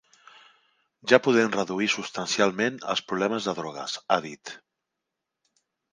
Ja podem reduir substancialment els problemes de drogues, ha dit.